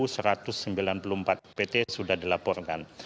sembilan puluh empat spt sudah dilaporkan